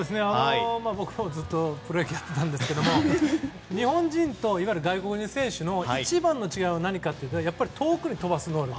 僕もずっとプロ野球やってたんですけども日本人といわゆる外国人選手の一番の違いは何かというとやっぱり遠くへ飛ばす能力。